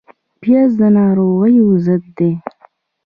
پیاز د ناروغیو ضد ده